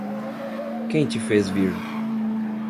Quem te fez vir?